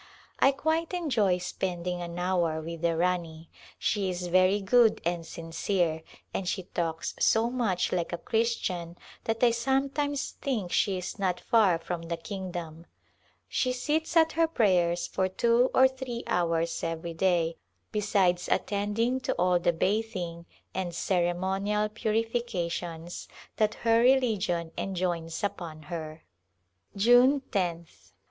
I quite enjoy spending an hour with the Rani. She is very good and sincere, and she talks so much like a Christian that I sometimes think she is not far from the Kingdom. She sits at her prayers for two or three hours every day, besides attending to all the bathing and ceremonial purifications that her religion enjoins upon her. 'June loth.